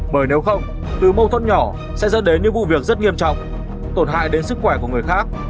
bởi nếu không từ mâu thuẫn nhỏ sẽ dẫn đến những vụ việc rất nghiêm trọng tổn hại đến sức khỏe của người khác